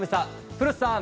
古田さん